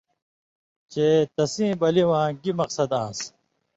چےۡ تسیں بلی واں گی مقصد آن٘س۔